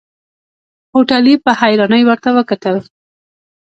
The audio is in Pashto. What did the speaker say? هوټلي په حيرانۍ ورته وکتل.